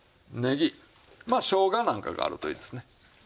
まあしょうがなんかがあるといいですね。